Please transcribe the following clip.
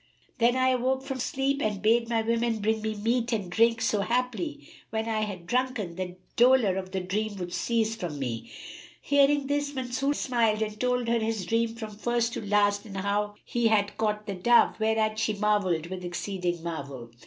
Then I awoke from sleep and bade my women bring me meat and drink, so haply, when I had drunken, the dolour of the dream would cease from me." Hearing this, Masrur smiled and told her his dream from first to last and how he had caught the dove, whereat she marvelled with exceeding marvel.